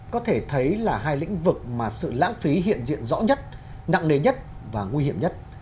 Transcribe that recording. có thể thấy là hai lĩnh vực mà sự lãng phí hiện diện rõ nhất nặng nề nhất và nguy hiểm nhất